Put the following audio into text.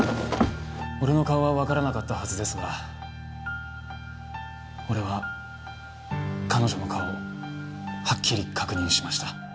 俺の顔はわからなかったはずですが俺は彼女の顔をはっきり確認しました。